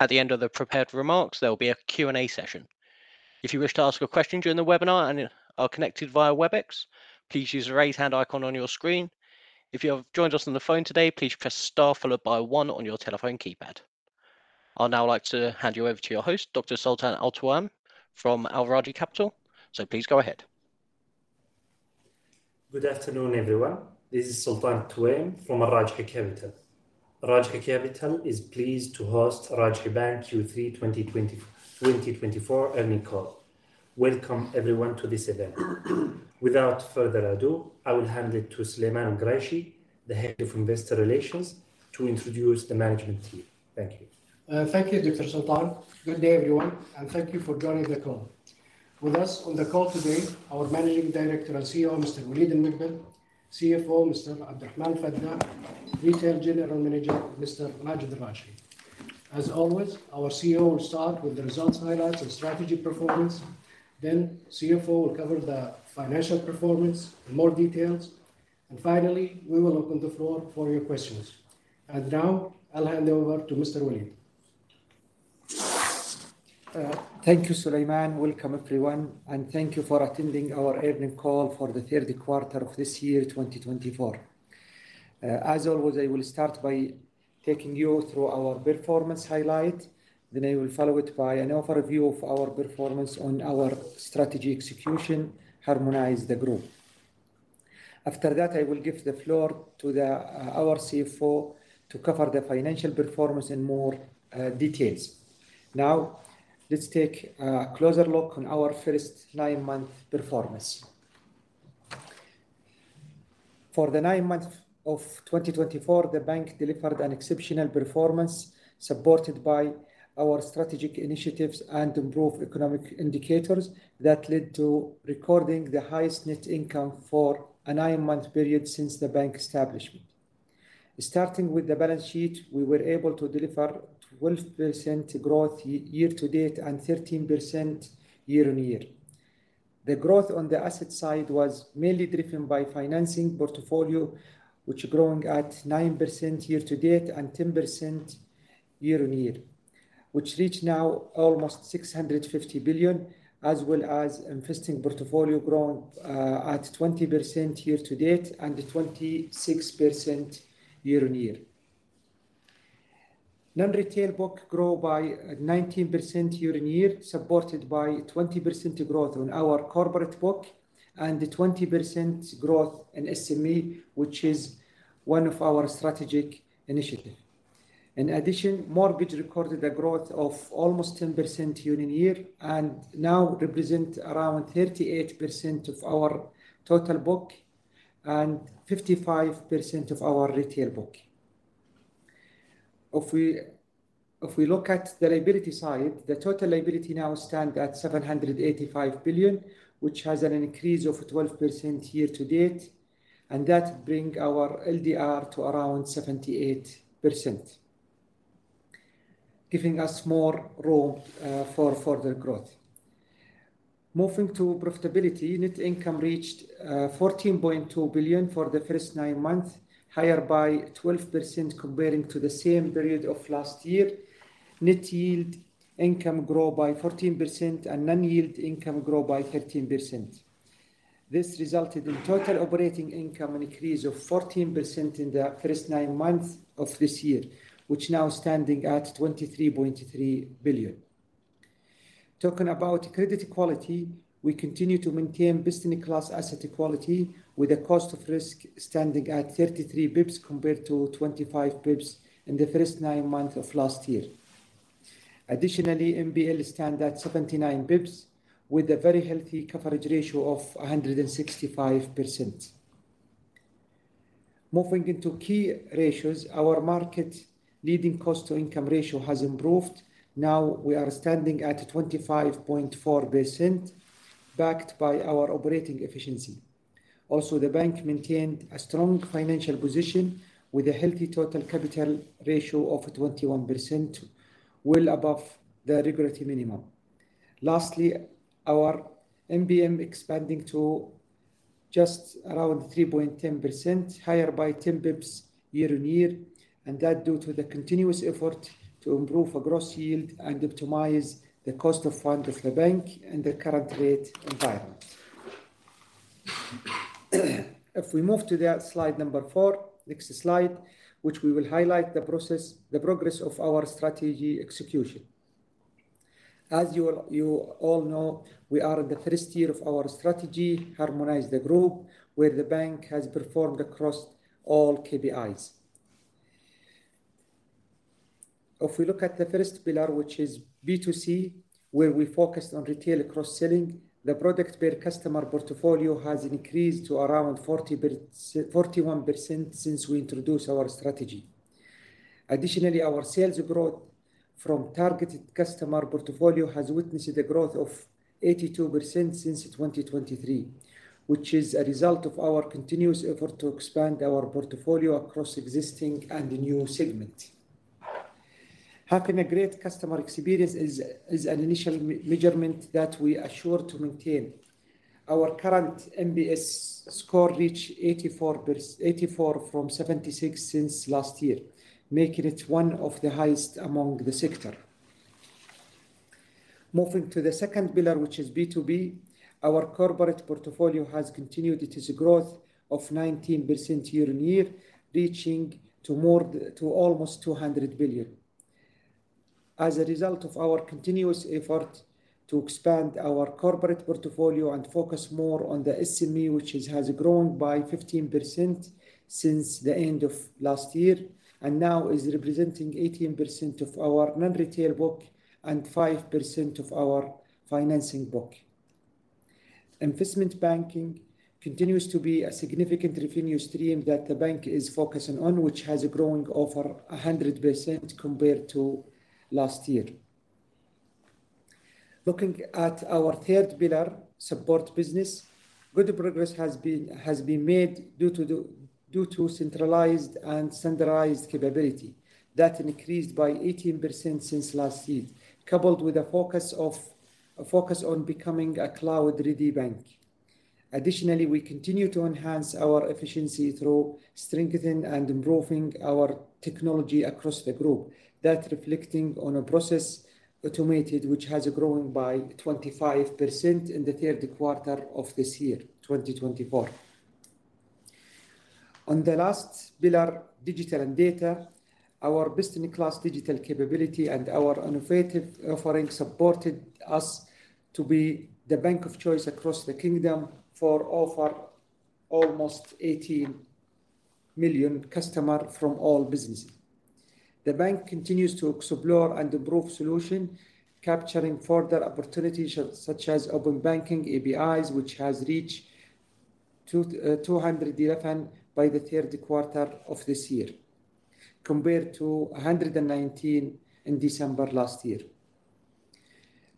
At the end of the prepared remarks, there will be a Q&A session. If you wish to ask a question during the webinar and are connected via Webex, please use the raise hand icon on your screen. If you have joined us on the phone today, please press star followed by one on your telephone keypad. I'd now like to hand you over to your host, Dr. Sultan AlTowaim from Al Rajhi Capital, so please go ahead. Good afternoon, everyone. This is Sultan AlTowaim from Al Rajhi Capital. Al Rajhi Capital is pleased to host Al Rajhi Bank Q3 2024 earnings call. Welcome, everyone, to this event. Without further ado, I will hand it to Sulaiman Alquraishi, the Head of Investor Relations, to introduce the management team. Thank you. Thank you, Dr. Sultan. Good day, everyone, and thank you for joining the call. With us on the call today, our Managing Director and CEO, Mr. Waleed Al-Mogbel, CFO, Mr. Abdulrahman Al-Fadda, Retail General Manager, Mr. Majed Al-Rajhi. As always, our CEO will start with the results highlights and strategy performance. Then, CFO will cover the financial performance in more detail, and finally, we will open the floor for your questions, and now, I'll hand over to Mr. Waleed. Thank you, Sulaiman. Welcome, everyone, and thank you for attending our earnings call for the third quarter of this year, 2024. As always, I will start by taking you through our performance highlight. Then I will follow it by an overview of our performance on our strategy execution, Harmonize the Group. After that, I will give the floor to our CFO to cover the financial performance in more detail. Now, let's take a closer look on our first nine-month performance. For the nine months of 2024, the bank delivered an exceptional performance supported by our strategic initiatives and improved economic indicators that led to recording the highest net income for a nine-month period since the bank's establishment. Starting with the balance sheet, we were able to deliver 12% growth year-to-date and 13% year-on-year. The growth on the asset side was mainly driven by financing portfolio, which is growing at 9% year-to-date and 10% year-on-year. Which reached now almost 650 billion, as well as investing portfolio growing at 20% year-to-date and 26% year-on-year. Non-retail book grew by 19% year-on-year, supported by 20% growth on our corporate book and 20% growth in SME, which is one of our strategic initiatives. In addition, mortgage recorded a growth of almost 10% year-on-year and now represents around 38% of our total book and 55% of our retail book. If we look at the liability side, the total liability now stands at 785 billion, which has an increase of 12% year-to-date, and that brings our LDR to around 78%, giving us more room for further growth. Moving to profitability, net income reached 14.2 billion for the first nine months, higher by 12% comparing to the same period of last year. Net yield income grew by 14% and non-yield income grew by 13%. This resulted in total operating income an increase of 14% in the first nine months of this year, which now stands at 23.3 billion. Talking about credit quality, we continue to maintain business-class asset quality with a cost of risk standing at 33 bps compared to 25 bps in the first nine months of last year. Additionally, NPL stands at 79 bps with a very healthy coverage ratio of 165%. Moving into key ratios, our market leading cost-to-income ratio has improved. Now we are standing at 25.4%, backed by our operating efficiency. Also, the bank maintained a strong financial position with a healthy total capital ratio of 21%, well above the regulatory minimum. Lastly, our NIM is expanding to just around 3.10%, higher by 10 bps year-on-year, and that is due to the continuous effort to improve gross yield and optimize the cost of fund of the bank in the current rate environment. If we move to slide number four, next slide, which we will highlight the process, the progress of our strategy execution. As you all know, we are in the first year of our strategy, Harmonize the Group, where the bank has performed across all KPIs. If we look at the first pillar, which is B2C, where we focused on retail cross-selling, the product-per-customer portfolio has increased to around 41% since we introduced our strategy. Additionally, our sales growth from targeted customer portfolio has witnessed a growth of 82% since 2023, which is a result of our continuous effort to expand our portfolio across existing and new segments. Having a great customer experience is an initial measurement that we assure to maintain. Our current NPS score reached 84 from 76 since last year, making it one of the highest among the sector. Moving to the second pillar, which is B2B, our corporate portfolio has continued its growth of 19% year-on-year, reaching to almost 200 billion. As a result of our continuous effort to expand our corporate portfolio and focus more on the SME, which has grown by 15% since the end of last year and now is representing 18% of our non-retail book and 5% of our financing book. Investment banking continues to be a significant revenue stream that the bank is focusing on, which has grown over 100% compared to last year. Looking at our third pillar, support business, good progress has been made due to centralized and standardized capability. That increased by 18% since last year, coupled with a focus on becoming a cloud-ready bank. Additionally, we continue to enhance our efficiency through strengthening and improving our technology across the group. That is reflecting on a process automated, which has grown by 25% in the third quarter of this year, 2024. On the last pillar, digital and data, our business-class digital capability and our innovative offering supported us to be the bank of choice across the kingdom for over almost 18 million customers from all businesses. The bank continues to explore and improve solutions, capturing further opportunities such as open banking, APIs, which has reached 211 by the third quarter of this year, compared to 119 in December last year.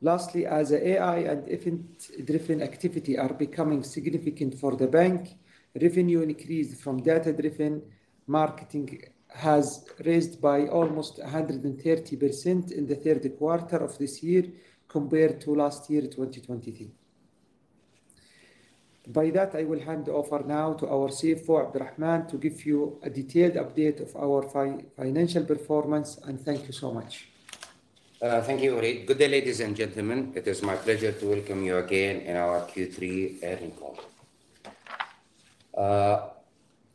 Lastly, as AI and effort-driven activity are becoming significant for the bank, revenue increased from data-driven marketing has raised by almost 130% in the third quarter of this year compared to last year, 2023. By that, I will hand over now to our CFO, Abdulrahman, to give you a detailed update of our financial performance, and thank you so much. Thank you, Waleed. Good day, ladies and gentlemen. It is my pleasure to welcome you again in our Q3 earnings call.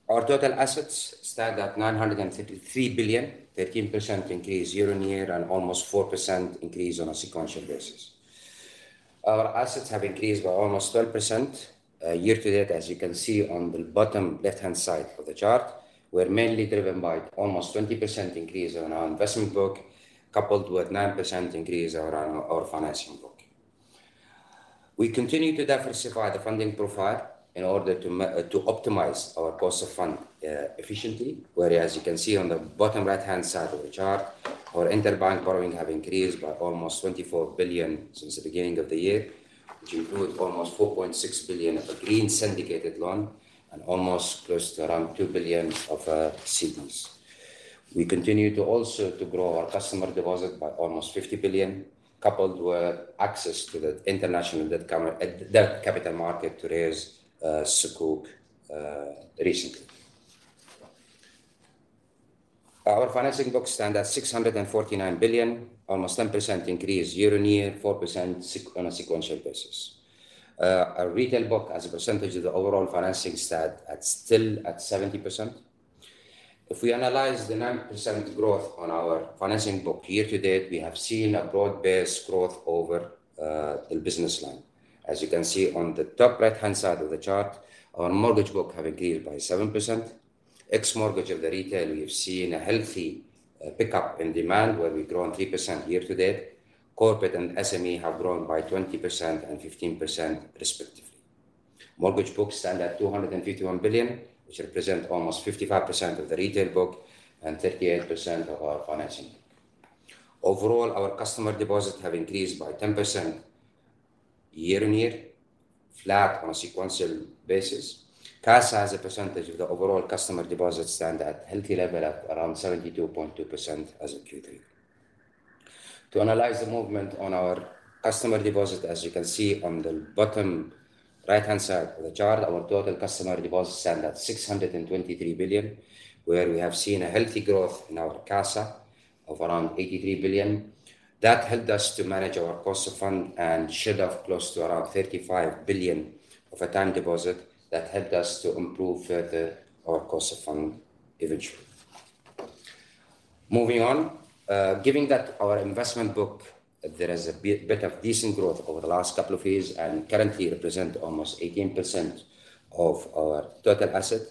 Our total assets stand at 933 billion, 13% increase year-on-year and almost 4% increase on a sequential basis. Our assets have increased by almost 12% year-to-date, as you can see on the bottom left-hand side of the chart, where mainly driven by almost 20% increase in our investment book, coupled with 9% increase around our financing book. We continue to diversify the funding profile in order to optimize our cost of fund efficiency, where, as you can see on the bottom right-hand side of the chart, our interbank borrowing has increased by almost 24 billion since the beginning of the year, which includes almost 4.6 billion of a green syndicated loan and almost close to around 2 billion of CDs. We continue to also grow our customer deposit by almost 50 billion, coupled with access to the international debt capital market to raise sukuk recently. Our financing book stands at 649 billion, almost 10% increase year-on-year, 4% on a sequential basis. Our retail book, as a percentage of the overall financing, is still at 70%. If we analyze the 9% growth on our financing book year-to-date, we have seen a broad-based growth over the business line. As you can see on the top right-hand side of the chart, our mortgage book has increased by 7%. Ex-mortgage of the retail, we have seen a healthy pickup in demand, where we've grown 3% year-to-date. Corporate and SME have grown by 20% and 15%, respectively. Mortgage book stands at 251 billion, which represents almost 55% of the retail book and 38% of our financing book. Overall, our customer deposits have increased by 10% year-on-year, flat on a sequential basis. Cash as a percentage of the overall customer deposit stands at a healthy level at around 72.2% as of Q3. To analyze the movement on our customer deposit, as you can see on the bottom right-hand side of the chart, our total customer deposit stands at 623 billion, where we have seen a healthy growth in our cash of around 83 billion. That helped us to manage our cost of funds and should have close to around 35 billion of a time deposit. That helped us to improve further our cost of funds eventually. Moving on, given that our investment book, there is a bit of decent growth over the last couple of years and currently represents almost 18% of our total asset,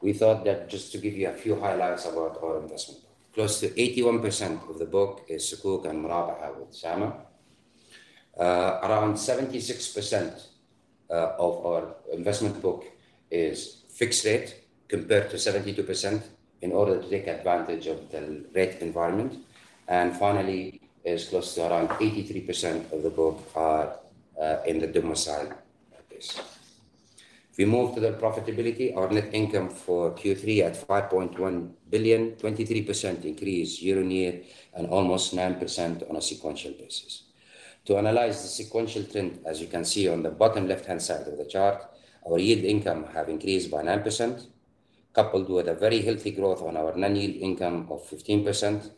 we thought that just to give you a few highlights about our investment book. Close to 81% of the book is sukuk and Murabaha with SAMA. Around 76% of our investment book is fixed rate compared to 72% in order to take advantage of the rate environment. Finally, it is close to around 83% of the book in the domicile base. If we move to the profitability, our net income for Q3 at 5.1 billion, 23% increase year-on-year and almost 9% on a sequential basis. To analyze the sequential trend, as you can see on the bottom left-hand side of the chart, our yield income has increased by 9%, coupled with a very healthy growth on our non-yield income of 15%,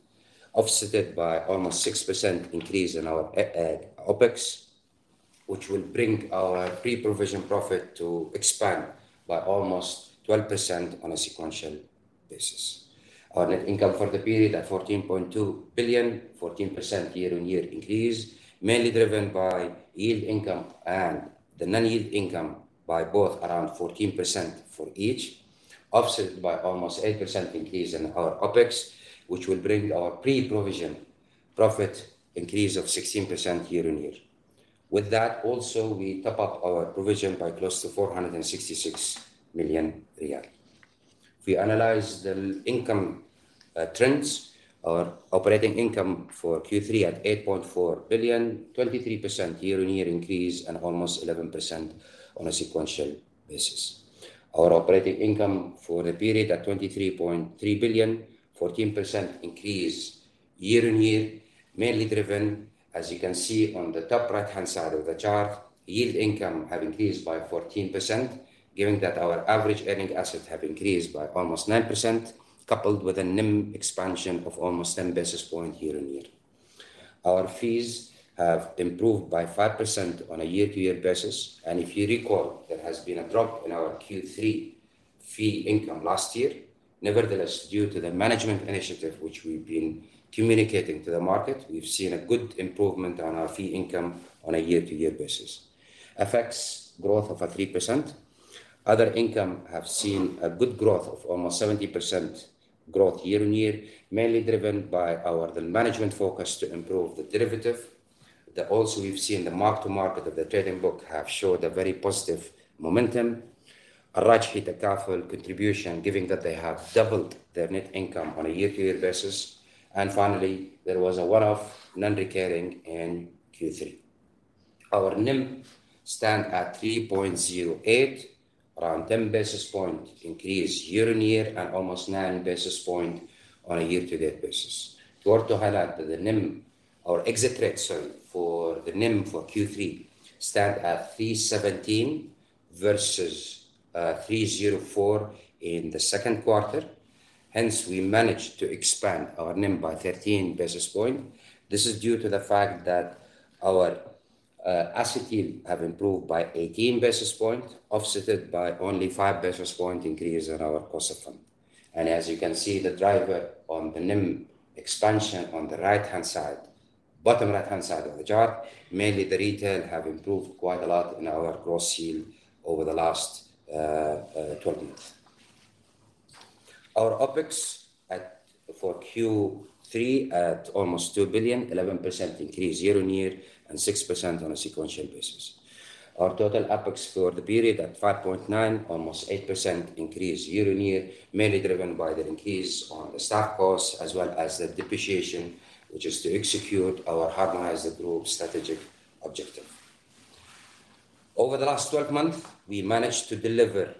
offset by almost 6% increase in our OpEx, which will bring our pre-provision profit to expand by almost 12% on a sequential basis. Our net income for the period at 14.2 billion, 14% year-on-year increase, mainly driven by yield income and the non-yield income by both around 14% for each, offset by almost 8% increase in our OpEx, which will bring our pre-provision profit increase of 16% year-on-year. With that, also, we top up our provision by close to 466 million riyal. If we analyze the income trends, our operating income for Q3 at 8.4 billion, 23% year-on-year increase and almost 11% on a sequential basis. Our operating income for the period at 23.3 billion, 14% increase year-on-year, mainly driven, as you can see on the top right-hand side of the chart. Yield income has increased by 14%, given that our average earning asset has increased by almost 9%, coupled with a NIM expansion of almost 10 basis points year-on-year. Our fees have improved by 5% on a year-to-year basis, and if you recall, there has been a drop in our Q3 fee income last year. Nevertheless, due to the management initiative which we've been communicating to the market, we've seen a good improvement on our fee income on a year-to-year basis. FX growth of 3%. Other income has seen a good growth of almost 70% year-on-year, mainly driven by our management focus to improve the derivative. Also, we've seen the mark-to-market of the trading book have showed a very positive momentum. Al Rajhi Takaful contribution, given that they have doubled their net income on a year-to-year basis. And finally, there was a one-off non-recurring in Q3. Our NIM stands at 3.08%, around 10 basis points increase year-on-year and almost 9 basis points on a year-to-date basis. Worth to highlight that the NIM, our exit rate, sorry, for the NIM for Q3 stands at 3.17% versus 3.04% in the second quarter. Hence, we managed to expand our NIM by 13 basis points. This is due to the fact that our assets have improved by 18 basis points, offset by only 5 basis points increase in our cost of fund. As you can see, the driver on the NIM expansion on the right-hand side, bottom right-hand side of the chart, mainly the retail have improved quite a lot in our gross yield over the last 12 months. Our OpEx for Q3 at almost 2 billion, 11% increase year-on-year and 6% on a sequential basis. Our total OpEx for the period at 5.9 billion, almost 8% increase year-on-year, mainly driven by the increase on the staff costs as well as the depreciation, which is to execute our Harmonize the Group strategic objective. Over the last 12 months, we managed to deliver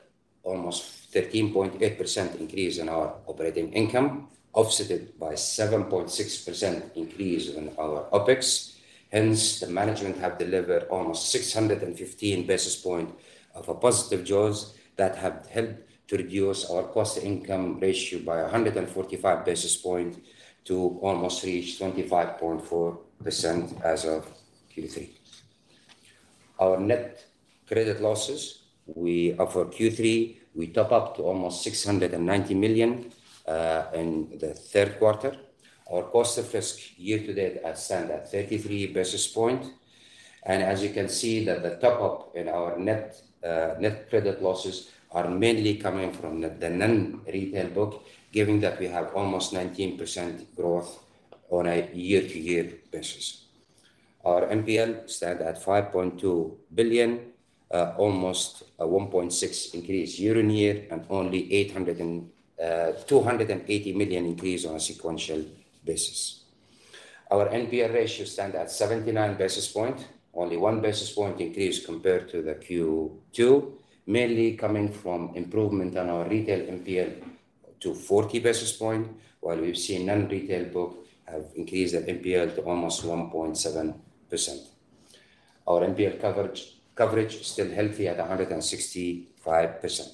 almost 13.8% increase in our operating income, offset by 7.6% increase in our OpEx. Hence, the management have delivered almost 615 basis points of a positive jaws that have helped to reduce our cost-to-income ratio by 145 basis points to almost reach 25.4% as of Q3. Our net credit losses in Q3, we top up to almost 690 million in the third quarter. Our cost of risk year-to-date stands at 33 basis points. As you can see that the top-up in our net credit losses are mainly coming from the non-retail book, given that we have almost 19% growth on a year-to-year basis. Our NPL stands at 5.2 billion, almost a 1.6x increase year-on-year and only 280 million increase on a sequential basis. Our NPL ratio stands at 79 basis points, only 1 basis point increase compared to the Q2, mainly coming from improvement on our retail NPL to 40 basis points, while we've seen non-retail book have increased the NPL to almost 1.7%. Our NPL coverage is still healthy at 165%.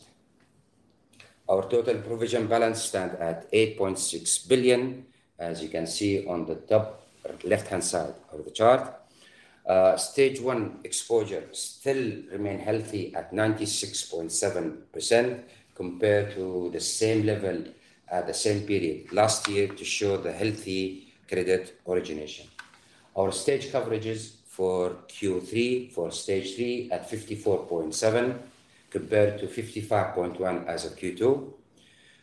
Our total provision balance stands at 8.6 billion, as you can see on the top left-hand side of the chart. Stage one exposure still remains healthy at 96.7% compared to the same level at the same period last year to show the healthy credit origination. Our stage coverages for Q3 for Stage 3 at 54.7% compared to 55.1% as of Q2.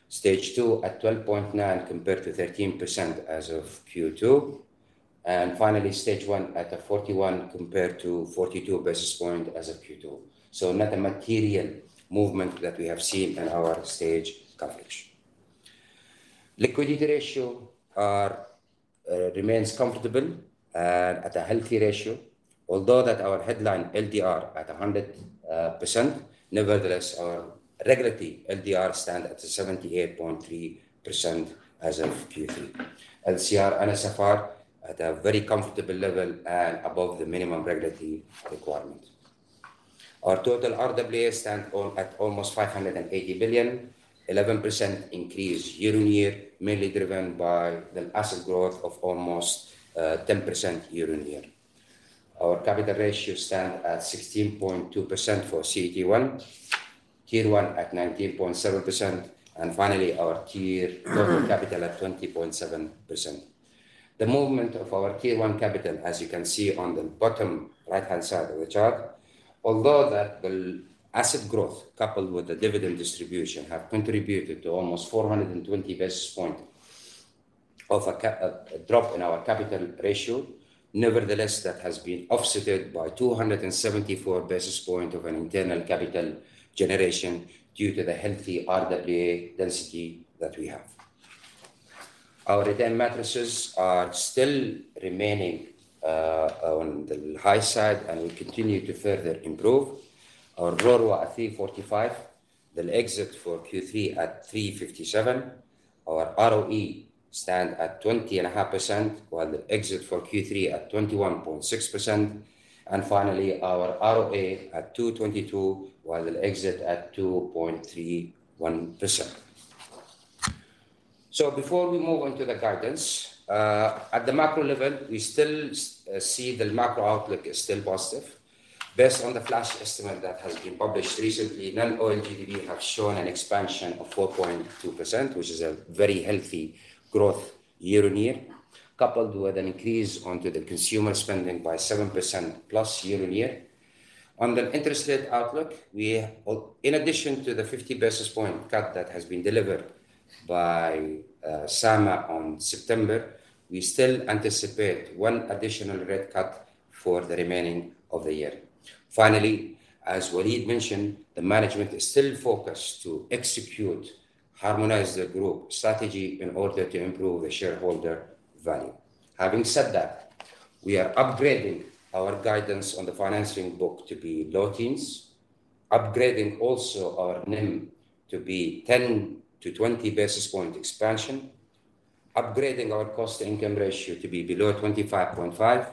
Stage 2 at 12.9% compared to 13% as of Q2. And finally, Stage 1 at 0.41% compared to 42 basis points as of Q2. So not a material movement that we have seen in our stage coverage. Liquidity ratio remains comfortable and at a healthy ratio, although our headline LDR at 100%. Nevertheless, our regulatory LDR stands at 78.3% as of Q3. LCR, NSFR at a very comfortable level and above the minimum regulatory requirement. Our total RWA stands at almost 580 billion, 11% increase year-on-year, mainly driven by the asset growth of almost 10% year-on-year. Our capital ratio stands at 16.2% for CET1, Tier 1 at 19.7%, and finally, our tier total capital at 20.7%. The movement of our Tier 1 capital, as you can see on the bottom right-hand side of the chart, although the asset growth coupled with the dividend distribution have contributed to almost 420 basis points of a drop in our capital ratio, nevertheless, that has been offset by 274 basis points of an internal capital generation due to the healthy RWA density that we have. Our retained maturities are still remaining on the high side, and we continue to further improve. Our RoRWA at 3.45%, the exit for Q3 at 3.57%. Our ROE stands at 20.5%, while the exit for Q3 at 21.6%. And finally, our ROA at 2.22%, while the exit at 2.31%. So before we move into the guidance, at the macro level, we still see the macro outlook is still positive. Based on the flash estimate that has been published recently, non-oil GDP has shown an expansion of 4.2%, which is a very healthy growth year-on-year, coupled with an increase in the consumer spending by 7%+ year-on-year. On the interest rate outlook, in addition to the 50 basis points cut that has been delivered by SAMA in September, we still anticipate one additional rate cut for the remainder of the year. Finally, as Waleed mentioned, the management is still focused to execute the Harmonize the Group strategy in order to improve the shareholder value. Having said that, we are upgrading our guidance on the financing book to be low teens, upgrading also our NIM to be 10 basis points-20 basis points expansion, upgrading our cost-to-income ratio to be below 25.5%,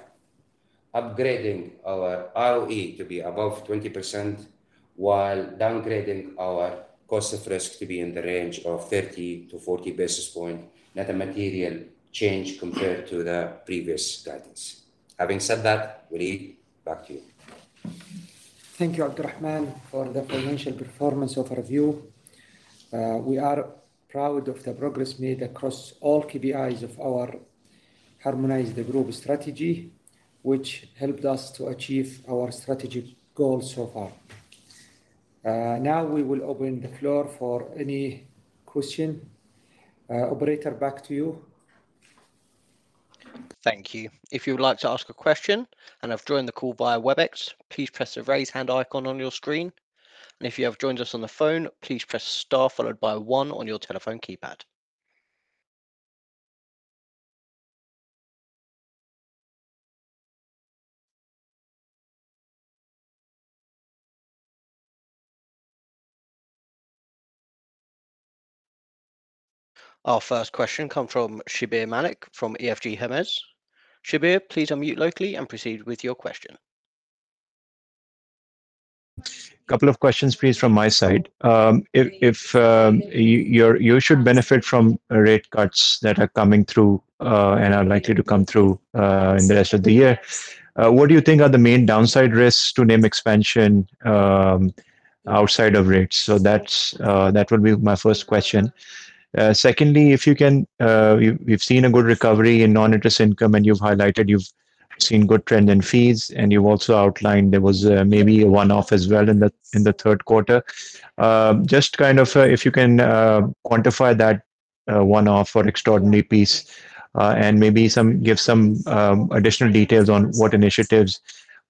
upgrading our ROE to be above 20%, while downgrading our cost of risk to be in the range of 30 basis points-40 basis points, not a material change compared to the previous guidance. Having said that, Waleed, back to you. Thank you, Abdulrahman, for the financial performance overview. We are proud of the progress made across all KPIs of our Harmonize the Group strategy, which helped us to achieve our strategic goal so far. Now we will open the floor for any question. Operator, back to you. Thank you. If you would like to ask a question and have joined the call via Webex, please press the raise hand icon on your screen. And if you have joined us on the phone, please press star followed by one on your telephone keypad. Our first question comes from Shabbir Malik from EFG Hermes. Shabbir, please unmute locally and proceed with your question. Couple of questions, please, from my side. If you should benefit from rate cuts that are coming through and are likely to come through in the rest of the year, what do you think are the main downside risks to NIM expansion outside of rates? So that would be my first question. Secondly, if you can, we've seen a good recovery in non-interest income, and you've highlighted you've seen good trend in fees, and you've also outlined there was maybe a one-off as well in the third quarter. Just kind of if you can quantify that one-off or extraordinary piece and maybe give some additional details on what initiatives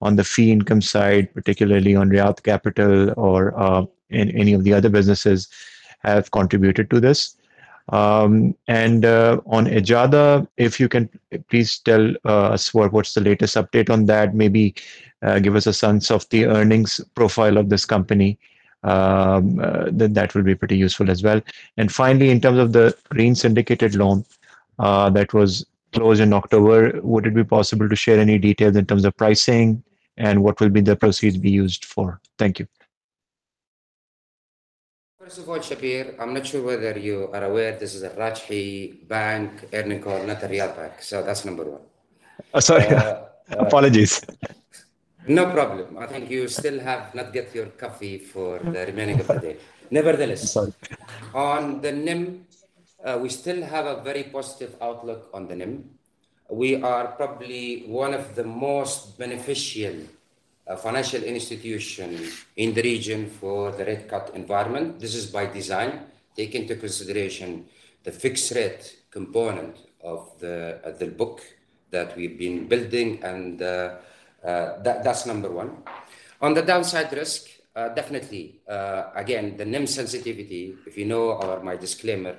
on the fee income side, particularly on Riyad Capital or any of the other businesses, have contributed to this. And on Ejada, if you can please tell us what's the latest update on that, maybe give us a sense of the earnings profile of this company. That would be pretty useful as well. And finally, in terms of the green syndicated loan that was closed in October, would it be possible to share any details in terms of pricing and what the proceeds will be used for? Thank you. First of all, Shabbir, I'm not sure whether you are aware, this is an Al Rajhi Bank earnings call, not a Riyad Bank. So that's number one. Sorry. Apologies. No problem. I think you still have not got your coffee for the remaining of the day. Nevertheless, on the NIM, we still have a very positive outlook on the NIM. We are probably one of the most beneficial financial institutions in the region for the rate cut environment. This is by design, taking into consideration the fixed rate component of the book that we've been building, and that's number one. On the downside risk, definitely, again, the NIM sensitivity, if you know or my disclaimer,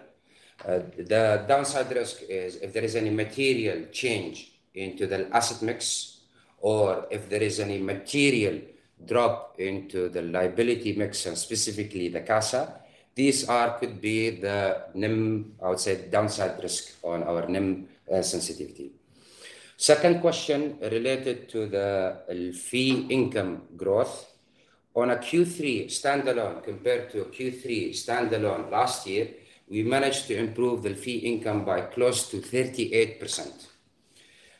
the downside risk is if there is any material change into the asset mix or if there is any material drop into the liability mix and specifically the CASA, these could be the NIM, I would say, downside risk on our NIM sensitivity. Second question related to the fee income growth. On a Q3 standalone compared to a Q3 standalone last year, we managed to improve the fee income by close to 38%.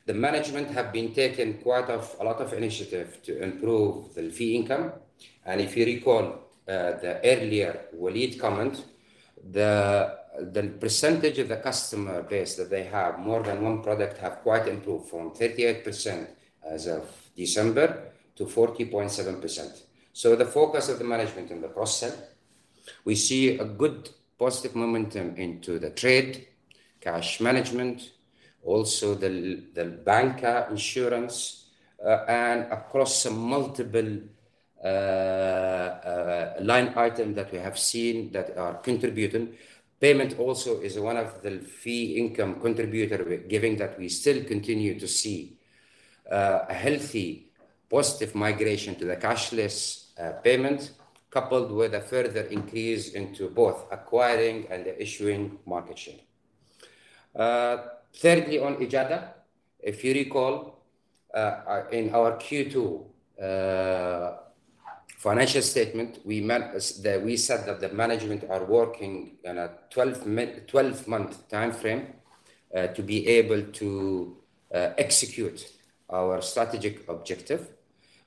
The management have been taking quite a lot of initiative to improve the fee income, and if you recall the earlier Waleed comment, the percentage of the customer base that they have, more than one product have quite improved from 38% as of December to 40.7%, so the focus of the management in the process, we see a good positive momentum into the trade, cash management, also the bancassurance, and across multiple line items that we have seen that are contributing. Payment also is one of the fee income contributor given that we still continue to see a healthy positive migration to the cashless payment, coupled with a further increase into both acquiring and the issuing market share. Thirdly, on Ejada, if you recall, in our Q2 financial statement, we said that the management are working on a 12-month time frame to be able to execute our strategic objective.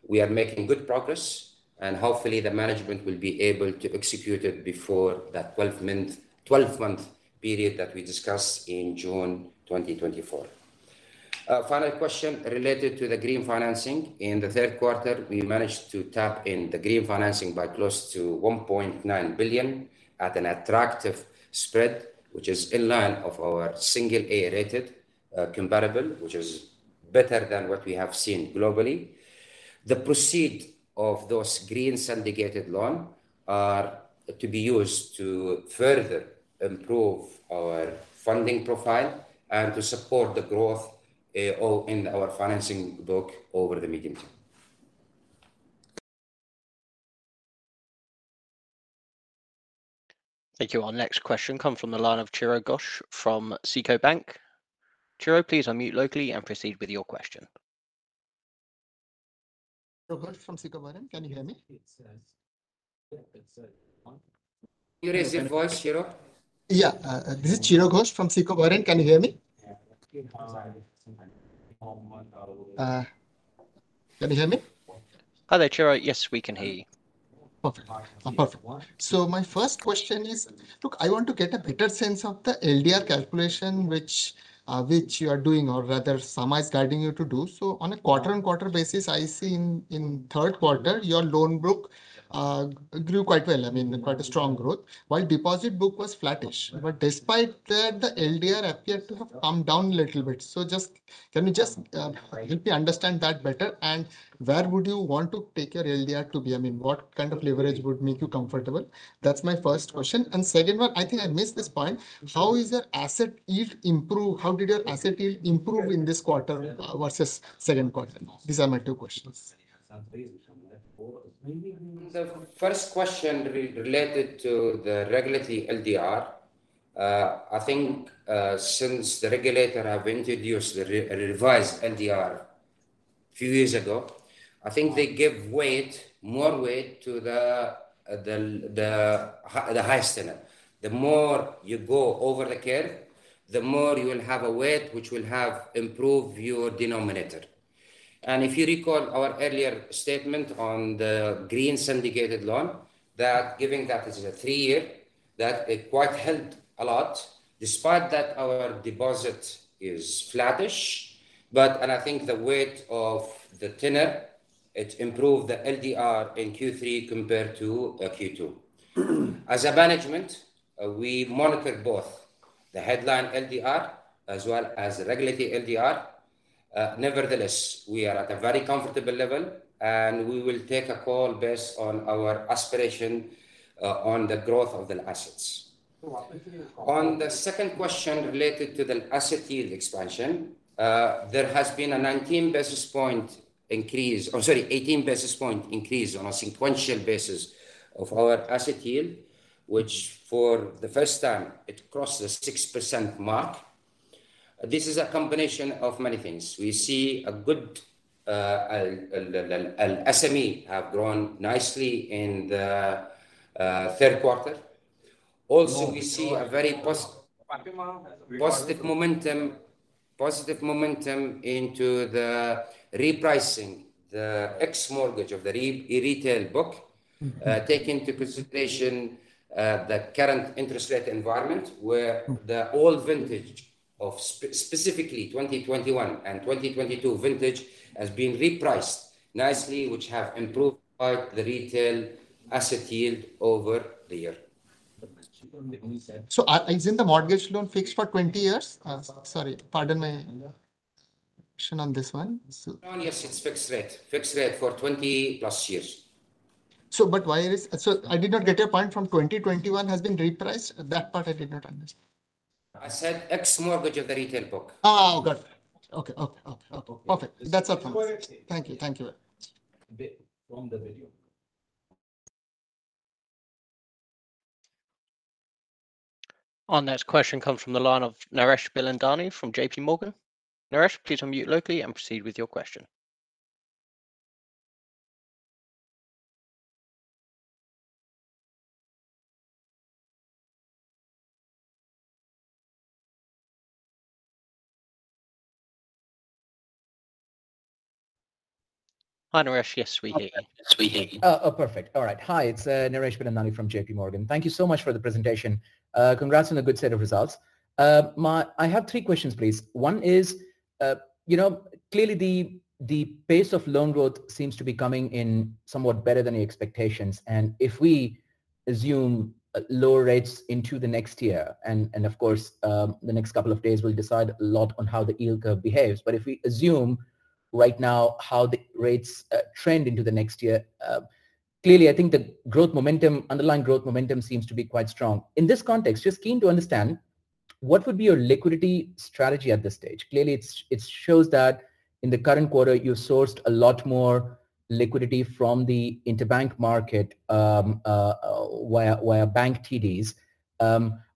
We are making good progress, and hopefully, the management will be able to execute it before that 12-month period that we discussed in June 2024. Final question related to the green financing. In the third quarter, we managed to tap in the green financing by close to 1.9 billion at an attractive spread, which is in line of our single-A rated comparable, which is better than what we have seen globally. The proceeds of those green syndicated loan are to be used to further improve our funding profile and to support the growth in our financing book over the medium term. Thank you. Our next question comes from the line of Chira Ghosh from SICO Bank. Chiro, please unmute locally and proceed with your question. Chiro Ghosh from SICO Bank, can you hear me? Yes. Can you raise your voice, Chiro? Yeah. This is Chira Ghosh from SICO Bank. Can you hear me? Can you hear me? Hello, Chiro. Yes, we can hear you. Perfect. So my first question is, look, I want to get a better sense of the LDR calculation which you are doing or rather SAMA is guiding you to do. So on a quarter-on-quarter basis, I see in third quarter, your loan book grew quite well, I mean, quite a strong growth, while deposit book was flattish. But despite that, the LDR appeared to have come down a little bit. So just can you just help me understand that better? And where would you want to take your LDR to be? I mean, what kind of leverage would make you comfortable? That's my first question. And second one, I think I missed this point. How is your asset yield improved? How did your asset yield improve in this quarter versus second quarter? These are my two questions. The first question related to the regulatory LDR. I think since the regulator have introduced the revised LDR a few years ago, I think they give weight, more weight to the highest tenor. The more you go over the curve, the more you will have a weight which will have improved your denominator. And if you recall our earlier statement on the green syndicated loan, that giving that is a three-year, that quite helped a lot despite that our deposit is flattish. But I think the weight of the tenor, it improved the LDR in Q3 compared to Q2. As a management, we monitor both the headline LDR as well as the regulatory LDR. Nevertheless, we are at a very comfortable level, and we will take a call based on our aspiration on the growth of the assets. On the second question related to the asset yield expansion, there has been a 19 basis point increase or sorry, 18 basis point increase on a sequential basis of our asset yield, which for the first time, it crossed the 6% mark. This is a combination of many things. We see a good SME have grown nicely in the third quarter. Also, we see a very positive momentum into the repricing, the ex-mortgage of the retail book, taking into consideration the current interest rate environment where the old vintage of specifically 2021 and 2022 vintage has been repriced nicely, which have improved quite the retail asset yield over the year. So isn't the mortgage loan fixed for 20 years? Sorry, pardon my question on this one. Yes, it's fixed rate. Fixed rate for 20+ years. But why is it? So I did not get your point from 2021 has been repriced. That part I did not understand. I said ex-mortgage of the retail book. Oh, got it. Okay. Okay. Okay. Okay. Perfect. That's it. Thank you. Thank you. Next question comes from the line of Naresh Bilandani from JPMorgan. Naresh, please unmute locally and proceed with your question. Hi, Naresh. Yes, we hear you. We hear you. Perfect. All right. Hi, it's Naresh Bilandani from JPMorgan. Thank you so much for the presentation. Congrats on a good set of results. I have three questions, please. One is, clearly, the pace of loan growth seems to be coming in somewhat better than expectations. And if we assume lower rates into the next year, and of course, the next couple of days will decide a lot on how the yield curve behaves. But if we assume right now how the rates trend into the next year, clearly, I think the underlying growth momentum seems to be quite strong. In this context, just keen to understand, what would be your liquidity strategy at this stage? Clearly, it shows that in the current quarter, you sourced a lot more liquidity from the interbank market via bank TDs.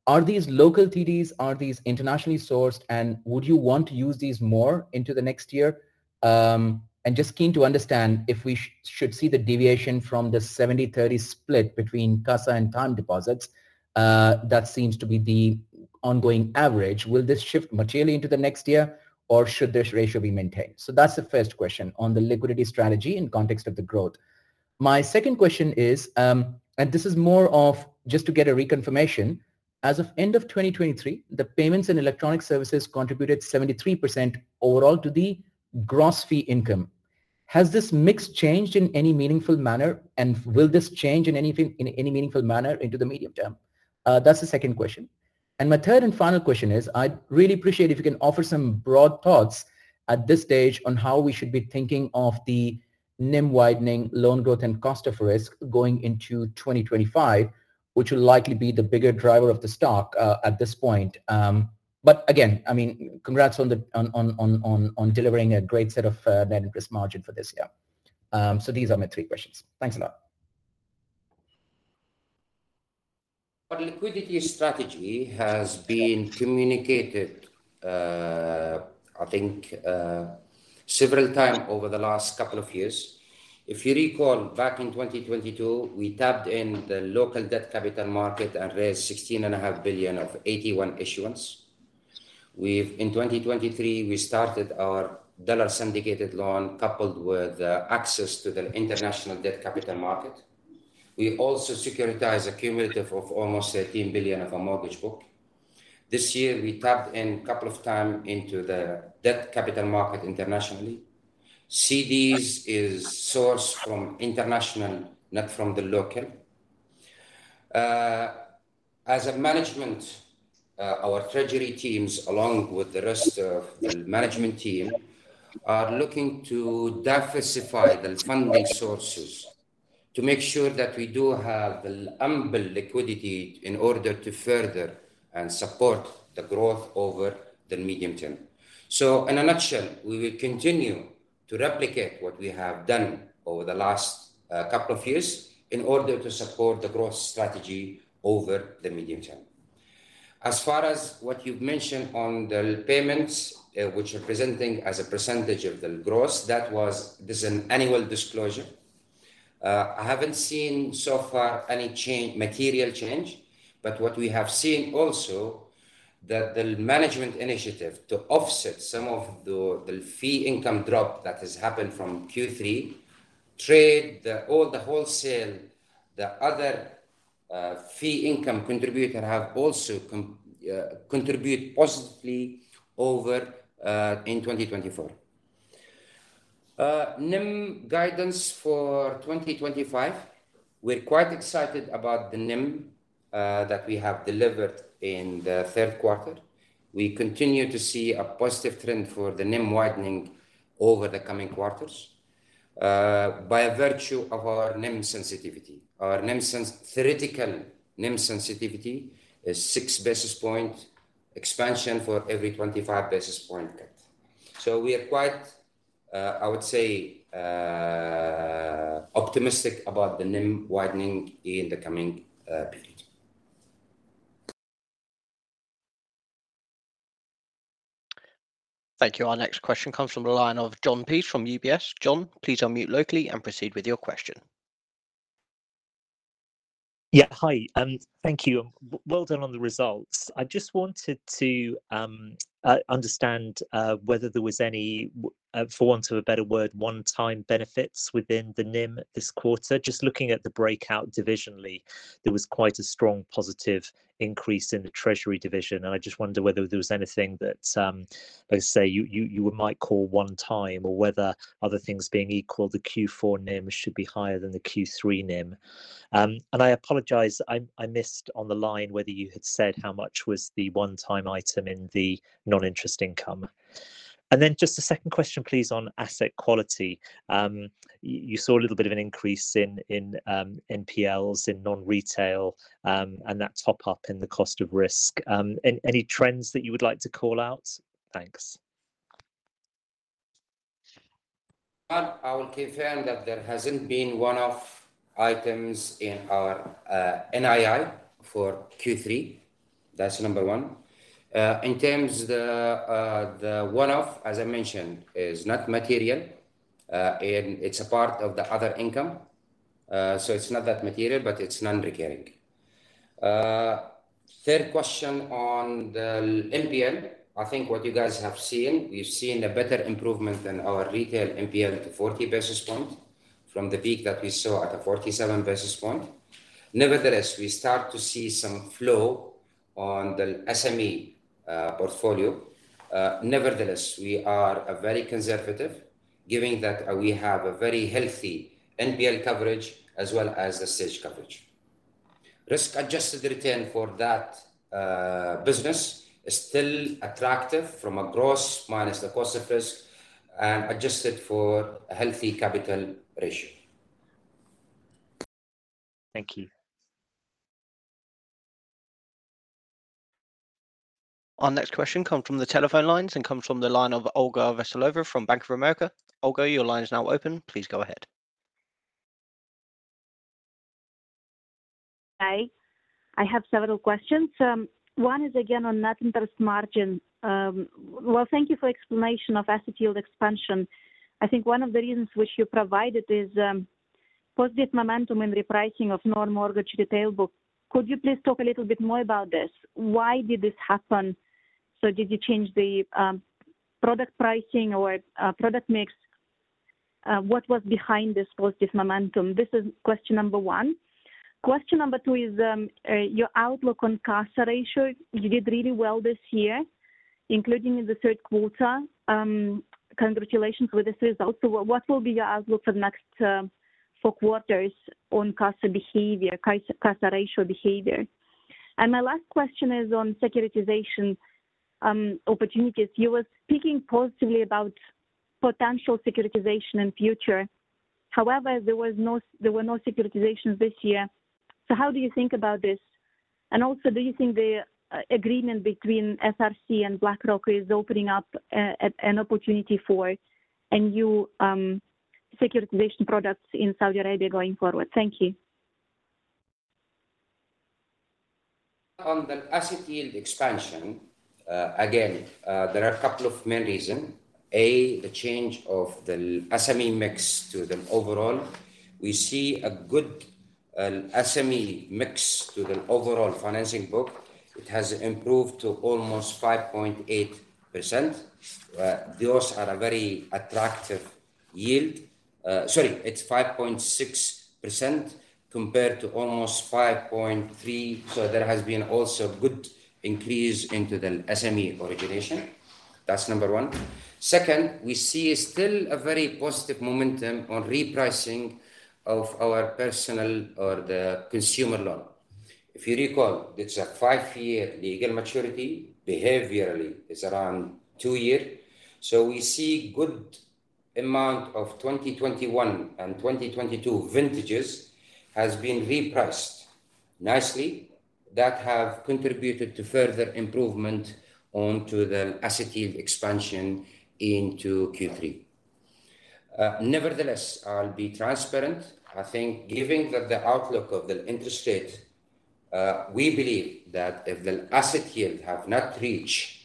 Are these local TDs? Are these internationally sourced? And would you want to use these more into the next year? And just keen to understand if we should see the deviation from the 70/30 split between CASA and time deposits. That seems to be the ongoing average. Will this shift materially into the next year, or should this ratio be maintained? So that's the first question on the liquidity strategy in context of the growth. My second question is, and this is more of just to get a reconfirmation, as of end of 2023, the payments in electronic services contributed 73% overall to the gross fee income. Has this mix changed in any meaningful manner, and will this change in any meaningful manner into the medium term? That's the second question. And my third and final question is, I'd really appreciate if you can offer some broad thoughts at this stage on how we should be thinking of the NIM widening, loan growth, and cost of risk going into 2025, which will likely be the bigger driver of the stock at this point. But again, I mean, congrats on delivering a great set of net interest margin for this year. So these are my three questions. Thanks a lot. Our liquidity strategy has been communicated, I think, several times over the last couple of years. If you recall, back in 2022, we tapped in the local debt capital market and raised 16.5 billion of Sukuk issuance. In 2023, we started our dollar syndicated loan coupled with access to the international debt capital market. We also securitized a cumulative of almost 13 billion of a mortgage book. This year, we tapped in a couple of times into the debt capital market internationally. CDs is sourced from international, not from the local. As management, our treasury teams, along with the rest of the management team, are looking to diversify the funding sources to make sure that we do have the ample liquidity in order to further support the growth over the medium term. So in a nutshell, we will continue to replicate what we have done over the last couple of years in order to support the growth strategy over the medium term. As far as what you've mentioned on the payments, which are presenting as a percentage of the gross, that was an annual disclosure. I haven't seen so far any material change, but what we have seen also that the management initiative to offset some of the fee income drop that has happened from Q3, trade, all the wholesale, the other fee income contributor have also contributed positively in 2024. NIM guidance for 2025. We're quite excited about the NIM that we have delivered in the third quarter. We continue to see a positive trend for the NIM widening over the coming quarters by virtue of our NIM sensitivity. Our theoretical NIM sensitivity is six basis point expansion for every 25 basis point cut. So we are quite, I would say, optimistic about the NIM widening in the coming period. Thank you. Our next question comes from the line of Jon Peace from UBS. Jon, please unmute locally and proceed with your question. Yeah. Hi. Thank you. Well done on the results. I just wanted to understand whether there was any, for want of a better word, one-time benefits within the NIM this quarter. Just looking at the breakout divisionally, there was quite a strong positive increase in the treasury division. I just wonder whether there was anything that, let's say, you might call one-time or whether other things being equal, the Q4 NIM should be higher than the Q3 NIM. I apologize. I missed on the line whether you had said how much was the one-time item in the non-interest income. Then just a second question, please, on asset quality. You saw a little bit of an increase in NPLs in non-retail and that top-up in the cost of risk. Any trends that you would like to call out? Thanks. I will confirm that there hasn't been one-off items in our NII for Q3. That's number one. In terms of the one-off, as I mentioned, is not material, and it's a part of the other income. So it's not that material, but it's non-recurring. Third question on the NPL. I think what you guys have seen, we've seen a better improvement in our retail NPL to 40 basis points from the peak that we saw at a 47 basis point. Nevertheless, we start to see some flow on the SME portfolio. Nevertheless, we are very conservative, given that we have a very healthy NPL coverage as well as the stage coverage. Risk-adjusted return for that business is still attractive from a gross minus the cost of risk and adjusted for a healthy capital ratio. Thank you. Our next question comes from the telephone lines and comes from the line of Olga Veselova from Bank of America. Olga, your line is now open. Please go ahead. Hi. I have several questions. One is, again, on net interest margin. Well, thank you for the explanation of asset yield expansion. I think one of the reasons which you provided is positive momentum in repricing of non-mortgage retail books. Could you please talk a little bit more about this? Why did this happen? So did you change the product pricing or product mix? What was behind this positive momentum? This is question number one. Question number two is your outlook on CASA ratio. You did really well this year, including in the third quarter. Congratulations with these results. So what will be your outlook for the next four quarters on CASA ratio behavior? And my last question is on securitization opportunities. You were speaking positively about potential securitization in the future. However, there were no securitizations this year. So how do you think about this? And also, do you think the agreement between SRC and BlackRock is opening up an opportunity for new securitization products in Saudi Arabia going forward? Thank you. On the asset yield expansion, again, there are a couple of main reasons. A, the change of the SME mix to the overall. We see a good SME mix to the overall financing book. It has improved to almost 5.8%. Those are a very attractive yield. Sorry, it's 5.6% compared to almost 5.3%. So there has been also a good increase into the SME origination. That's number one. Second, we see still a very positive momentum on repricing of our personal or the consumer loan. If you recall, it's a five-year legal maturity. Behaviorally, it's around two years. So we see a good amount of 2021 and 2022 vintages has been repriced nicely. That has contributed to further improvement onto the asset yield expansion into Q3. Nevertheless, I'll be transparent. I think given the outlook of the interest rate, we believe that if the asset yield has not reached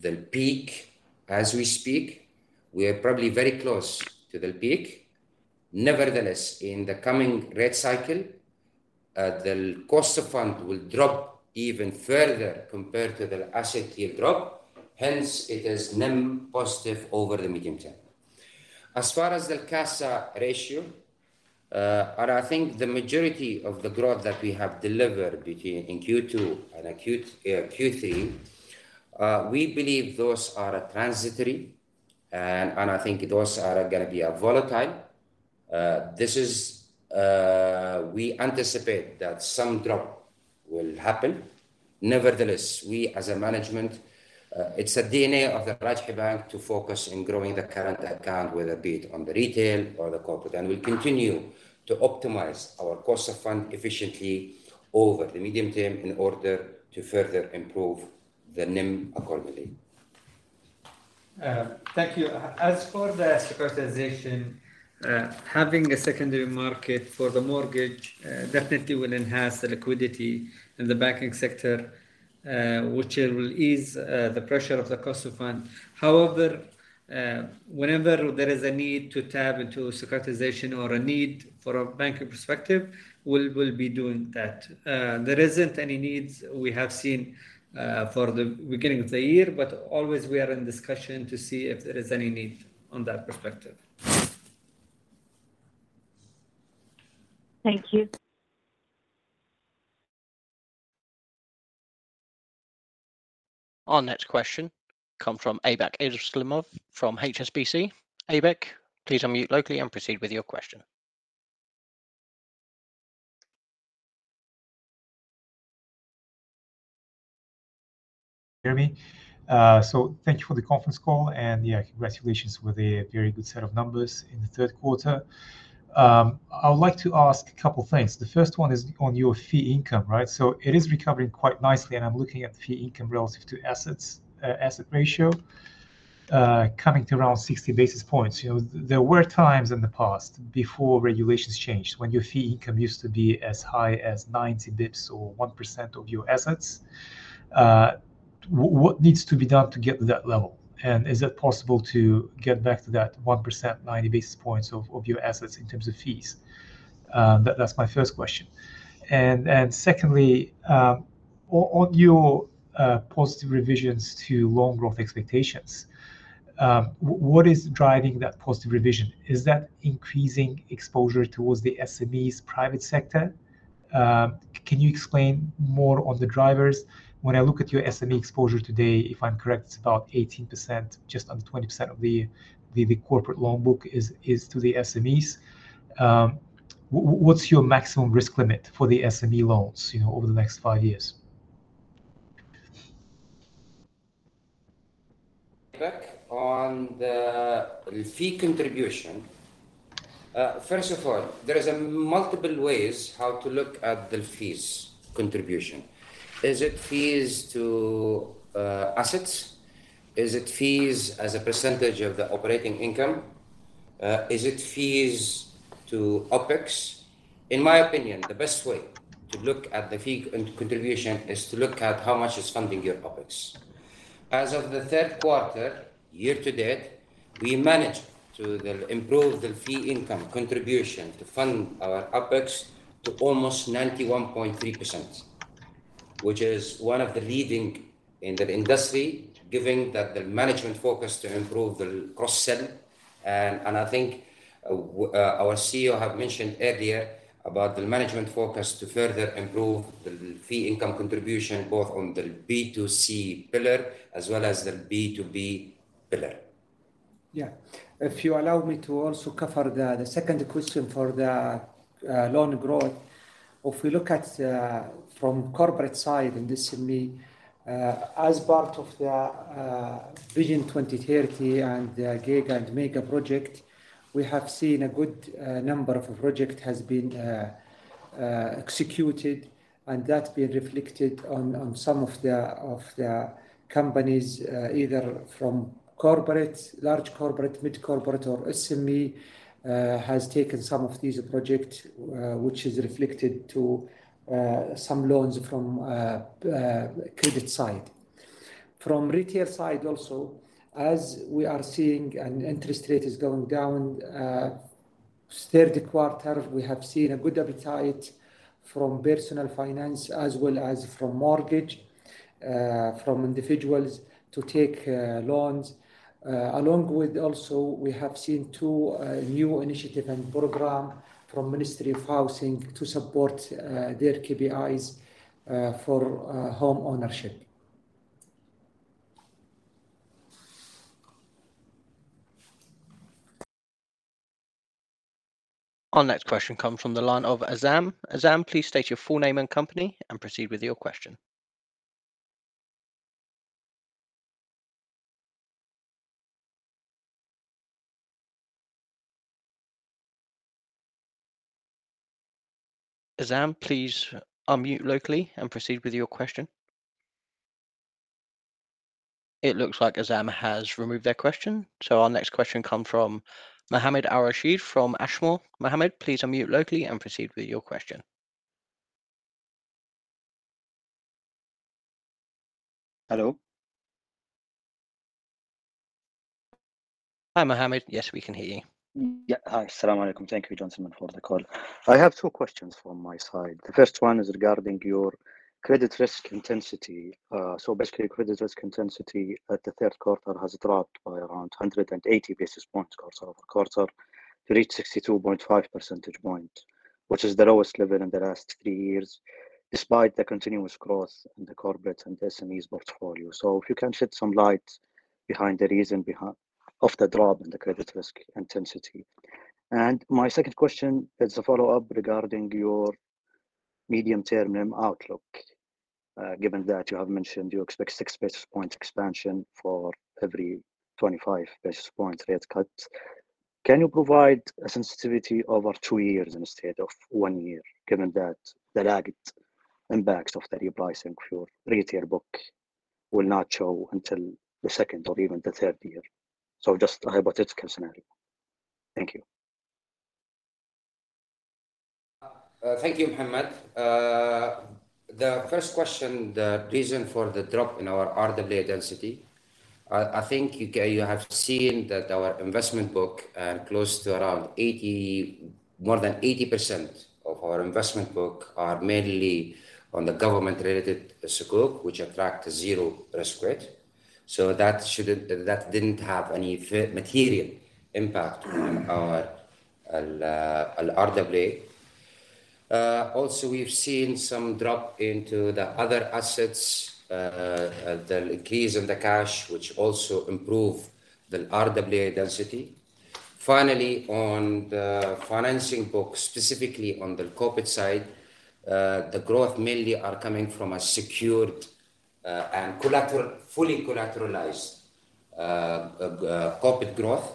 the peak as we speak, we are probably very close to the peak. Nevertheless, in the coming rate cycle, the cost of fund will drop even further compared to the asset yield drop. Hence, it is NIM positive over the medium term. As far as the CASA ratio, I think the majority of the growth that we have delivered in Q2 and Q3, we believe those are transitory, and I think those are going to be volatile. We anticipate that some drop will happen. Nevertheless, we as a management, it's a DNA of the Al Rajhi Bank to focus on growing the current account, whether it be on the retail or the corporate. We'll continue to optimize our cost of fund efficiently over the medium term in order to further improve the NIM accordingly. Thank you. As for the securitization, having a secondary market for the mortgage definitely will enhance the liquidity in the banking sector, which will ease the pressure of the cost of fund. However, whenever there is a need to tap into securitization or a need from a banking perspective, we will be doing that. There isn't any needs we have seen for the beginning of the year, but always we are in discussion to see if there is any need on that perspective. Thank you. Our next question comes from Aybek Islamov from HSBC. Aybek, please unmute locally and proceed with your question. So thank you for the conference call. And yeah, congratulations with a very good set of numbers in the third quarter. I would like to ask a couple of things. The first one is on your fee income, right? So it is recovering quite nicely. And I'm looking at the fee income relative to asset ratio coming to around 60 basis points. There were times in the past before regulations changed when your fee income used to be as high as 90 bps or 1% of your assets. What needs to be done to get to that level? And is it possible to get back to that 1%, 90 basis points of your assets in terms of fees? That's my first question. And secondly, on your positive revisions to loan-growth expectations, what is driving that positive revision? Is that increasing exposure towards the SMEs, private sector? Can you explain more on the drivers? When I look at your SME exposure today, if I'm correct, it's about 18%, just under 20% of the corporate loan book is to the SMEs. What's your maximum risk limit for the SME loans over the next five years? On the fee contribution, first of all, there are multiple ways how to look at the fees contribution. Is it fees to assets? Is it fees as a percentage of the operating income? Is it fees to OpEx? In my opinion, the best way to look at the fee contribution is to look at how much is funding your OpEx. As of the third quarter, year-to-date, we managed to improve the fee income contribution to fund our OpEx to almost 91.3%, which is one of the leading in the industry, given that the management focused to improve the cross-sell. I think our CEO had mentioned earlier about the management focus to further improve the fee income contribution both on the B2C pillar as well as the B2B pillar. Yeah. If you allow me to also cover the second question for the loan growth, if we look at from the corporate side in the SME, as part of the Vision 2030 and the Giga and Mega projects, we have seen a good number of projects have been executed. And that's been reflected on some of the companies, either from corporate, large corporate, mid-corporate, or SME has taken some of these projects, which is reflected to some loans from the credit side. From the retail side also, as we are seeing an interest rate is going down, third quarter, we have seen a good appetite from personal finance as well as from mortgage, from individuals to take loans. Along with also, we have seen two new initiatives and programs from the Ministry of Housing to support their KPIs for home ownership. Our next question comes from the line of Azam. Azam, please state your full name and company and proceed with your question. Azam, please unmute locally and proceed with your question. It looks like Azam has removed their question. So our next question comes from Mohammed Al-Rasheed from Ashmore. Mohammed, please unmute locally and proceed with your question. Hello. Hi, Mohammed. Yes, we can hear you. Yeah. Hi. As-salamu alaykum. Thank you, Johnson, for the call. I have two questions from my side. The first one is regarding your credit risk intensity. So basically, credit risk intensity at the third quarter has dropped by around 180 basis points quarter-over-quarter to reach 62.5 percentage points, which is the lowest level in the last three years despite the continuous growth in the corporate and SMEs portfolio. So if you can shed some light behind the reason of the drop in the credit risk intensity? And my second question is a follow-up regarding your medium-term outlook. Given that you have mentioned you expect 6 basis points expansion for every 25 basis points rate cut, can you provide a sensitivity over two years instead of one year given that the lagged impacts of the repricing for retail book will not show until the second or even the third year? So just a hypothetical scenario. Thank you. Thank you, Mohammed. The first question, the reason for the drop in our RWA density, I think you have seen that our investment book and close to around more than 80% of our investment book are mainly on the government-related scope, which attract zero risk rate. So that didn't have any material impact on our RWA. Also, we've seen some drop into the other assets, the increase of the cash, which also improves the RWA density. Finally, on the financing book, specifically on the corporate side, the growth mainly is coming from a secured and fully collateralized corporate growth,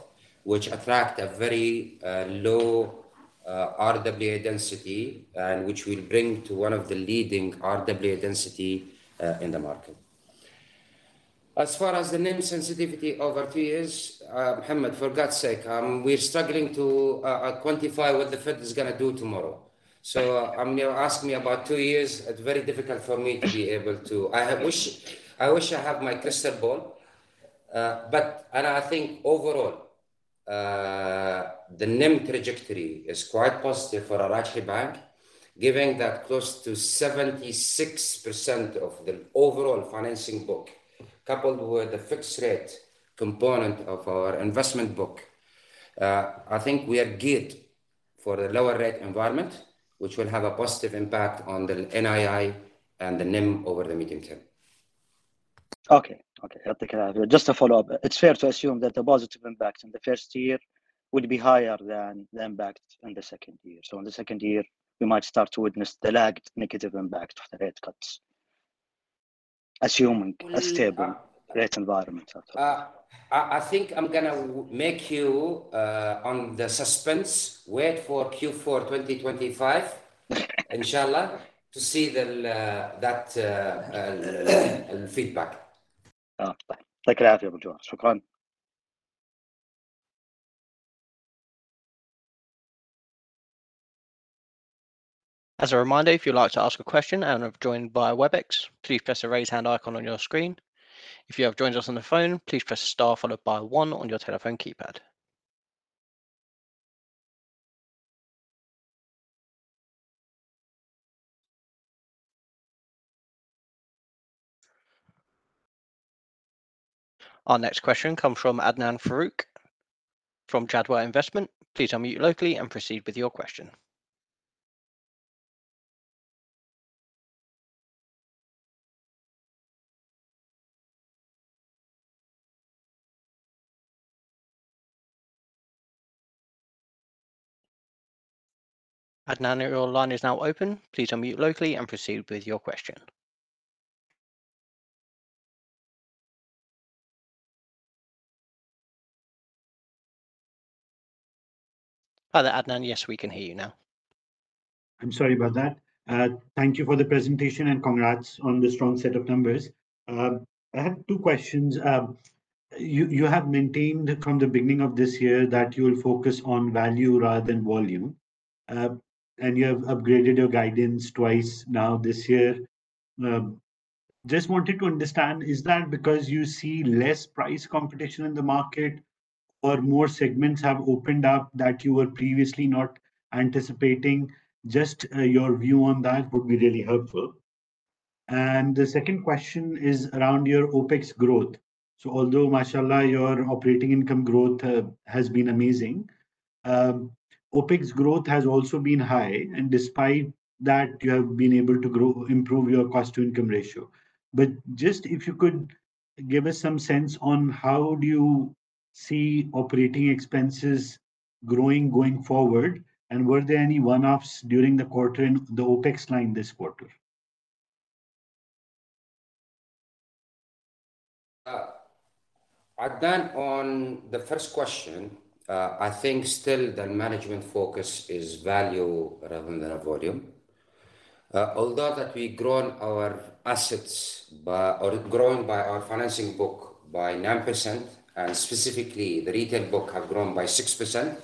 which attracts a very low RWA density and which will bring to one of the leading RWA densities in the market. As far as the NIM sensitivity over two years, Mohammed, for God's sake, we're struggling to quantify what the Fed is going to do tomorrow. Ask me about two years. It's very difficult for me to be able to. I wish I had my crystal ball. But I think overall, the NIM trajectory is quite positive for Al Rajhi Bank, given that close to 76% of the overall financing book coupled with the fixed-rate component of our investment book. I think we are geared for the lower-rate environment, which will have a positive impact on the NII and the NIM over the medium term. Okay. Okay. Just a follow-up. It's fair to assume that the positive impact in the first year will be higher than the impact in the second year. So in the second year, we might start to witness the lagged negative impact of the rate cuts, assuming a stable rate environment. I think I'm going to leave you in suspense. Wait for Q4 2025, inshallah, to see that feedback. Thank you. As a reminder, if you'd like to ask a question and are joined by Webex, please press the raise hand icon on your screen. If you have joined us on the phone, please press star followed by one on your telephone keypad. Our next question comes from Adnan Farooq from Jadwa Investment. Please unmute locally and proceed with your question. Adnan, your line is now open. Please unmute locally and proceed with your question. Hi there, Adnan. Yes, we can hear you now. I'm sorry about that. Thank you for the presentation and congrats on the strong set of numbers. I have two questions. You have maintained from the beginning of this year that you will focus on value rather than volume, and you have upgraded your guidance twice now this year. Just wanted to understand, is that because you see less price competition in the market or more segments have opened up that you were previously not anticipating? Just your view on that would be really helpful. And the second question is around your OpEx growth. So although, mashallah, your operating income growth has been amazing, OpEx growth has also been high. And despite that, you have been able to improve your cost-to-income ratio. But just if you could give us some sense on how do you see operating expenses growing going forward, and were there any one-offs during the quarter in the OpEx line this quarter? Adnan, on the first question, I think still the management focus is value rather than volume. Although that we've grown our assets or grown our financing book by 9%, and specifically the retail book has grown by 6%.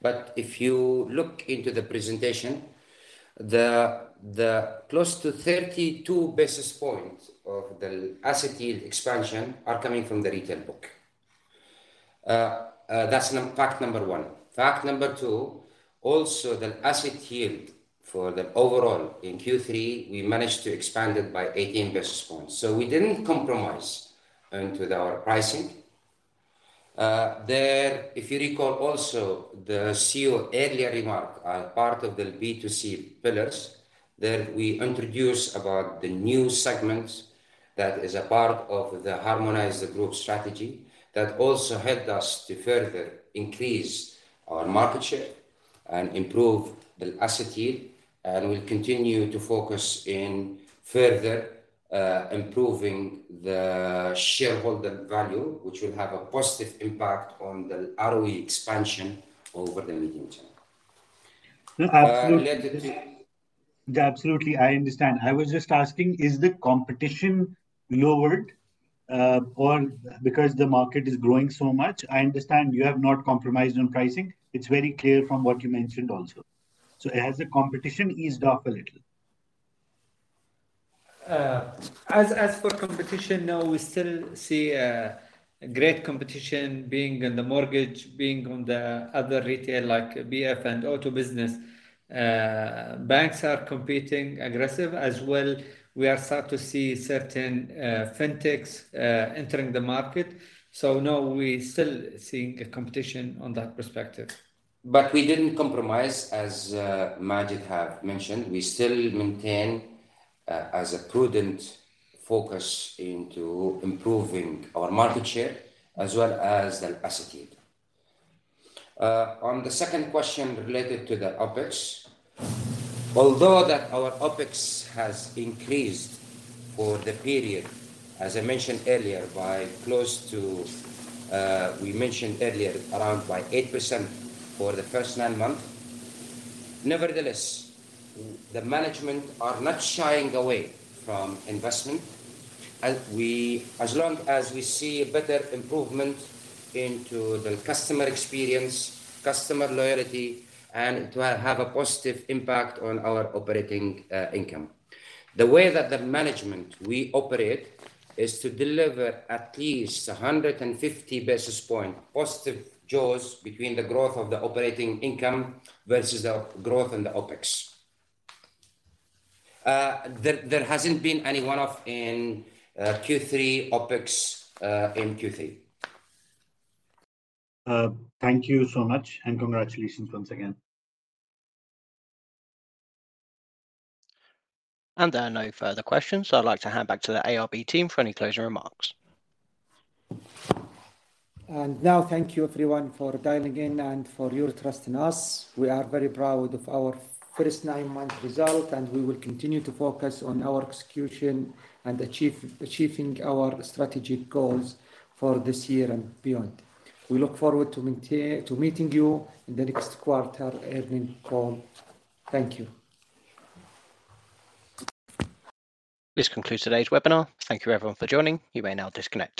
But if you look into the presentation, the close to 32 basis points of the asset yield expansion are coming from the retail book. That's fact number one. Fact number two, also the asset yield for the overall in Q3, we managed to expand it by 18 basis points. So we didn't compromise into our pricing. If you recall also the CEO earlier remark as part of the B2C pillars, that we introduced about the new segment that is a part of the harmonized group strategy that also helped us to further increase our market share and improve the asset yield. And we'll continue to focus in further improving the shareholder value, which will have a positive impact on the ROE expansion over the medium term. Absolutely. Absolutely. I understand. I was just asking, is the competition lowered because the market is growing so much? I understand you have not compromised on pricing. It's very clear from what you mentioned also. So has the competition eased off a little? As for competition, no, we still see great competition being in the mortgage, being on the other retail like PF and auto business. Banks are competing aggressively as well. We are starting to see certain fintechs entering the market. So no, we're still seeing competition on that perspective. But we didn't compromise, as Majed has mentioned. We still maintain a prudent focus into improving our market share as well as the asset yield. On the second question related to the OpEx. Although our OpEx has increased for the period, as I mentioned earlier, by close to around 8% for the first nine months. Nevertheless, the management are not shying away from investment as long as we see a better improvement into the customer experience, customer loyalty, and to have a positive impact on our operating income. The way that the management we operate is to deliver at least 150 basis points positive jaws between the growth of the operating income versus the growth in the OpEx. There hasn't been any one-off in Q3, OpEx in Q3. Thank you so much and congratulations once again. There are no further questions. I'd like to hand back to the ARB team for any closing remarks. Now, thank you everyone for dialing in and for your trust in us. We are very proud of our first nine-month result, and we will continue to focus on our execution and achieving our strategic goals for this year and beyond. We look forward to meeting you in the next quarter earning call. Thank you. This concludes today's webinar. Thank you, everyone, for joining. You may now disconnect.